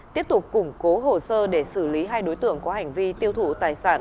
tiếp tục củng cố hồ sơ để xử lý hai đối tượng có hành vi tiêu thụ tài sản